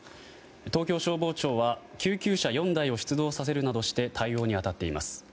東京消防庁は救急車４台を出動させるなどして対応に当たっています。